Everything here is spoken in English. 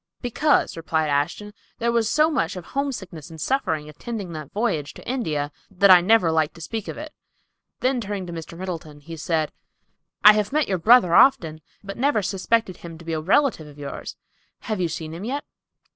"Because," replied Ashton, "there was so much of homesickness and suffering attending that voyage to India that I never like to speak of it." Then turning to Mr. Middleton, he said, "I have met your brother often, but never suspected him to be a relative of yours. Have you seen him yet?"